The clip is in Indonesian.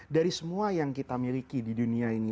dari semua yang kita miliki di dunia ini